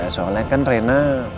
soalnya kan rena